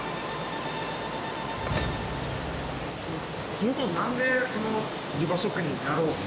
そもそもなんで湯葉職人になろうと？